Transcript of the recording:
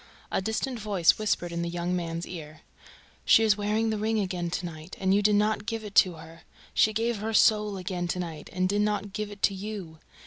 A distant voice whispered in the young man's ear: "She is wearing the ring again to night; and you did not give it to her. She gave her soul again tonight and did not give it to you...